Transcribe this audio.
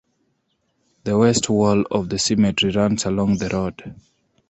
The west wall of the cemetery runs along the road.